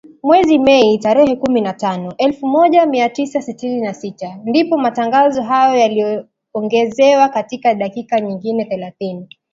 Mwezi Mei tarehe kumi na tano, elfu moja mia tisa sitini na sita , ndipo matangazo hayo yaliongezewa dakika nyingine thelathini